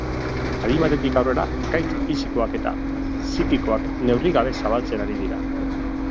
Adin batetik aurrera gaitz fisikoak eta psikikoak neurri gabe zabaltzen ari dira.